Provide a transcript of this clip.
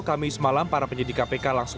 kami semalam para penyidik kpk langsung